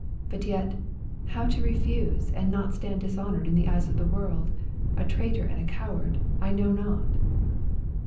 But yet, how to refuse and not stand dishonoured in the eyes of the world, a traitor and a coward, I know not."